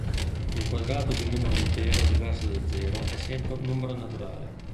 Il quadrato di un numero intero diverso da zero è sempre un numero naturale.